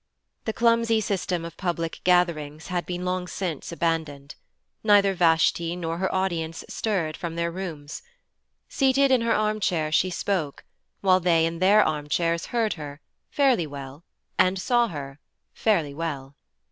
The clumsy system of public gatherings had been long since abandoned; neither Vashti nor her audience stirred from their rooms. Seated in her armchair she spoke, while they in their armchairs heard her, fairly well, and saw her, fairly well.